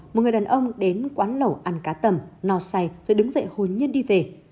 một người đàn ông đến quán lẩu ăn cá tầm no say rồi đứng dậy hôn nhân đi về